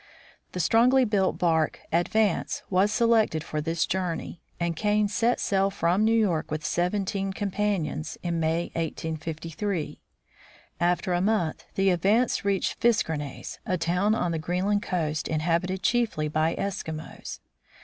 The strongly built bark Advance was selected for this journey, and Kane set sail from New York with seventeen companions, in May, 1853. After a month the Advance reached Fiskernaes, a town on the Greenland coast, in Fiskenaes, Greenland. habited chiefly by Eskimos.